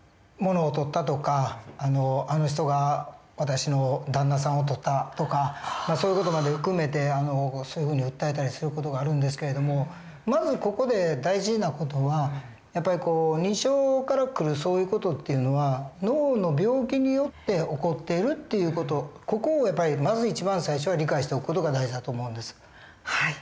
物をとったとかあの人が私の旦那さんをとったとかそういう事まで含めてそういうふうに訴えたりする事があるんですけれどもまずここで大事な事はやっぱり日常から来るそういう事っていうのは脳の病気によって起こっているという事ここをやっぱりまず一番最初は理解しておく事が大事だと思うんです。